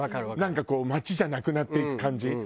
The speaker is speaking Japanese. なんかこう街じゃなくなっていく感じ。